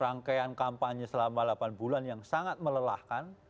rangkaian kampanye selama delapan bulan yang sangat melelahkan